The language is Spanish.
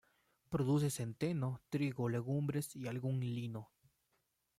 Produce centeno, trigo, legumbres y algún lino.